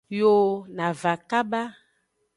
Yo na va kaba.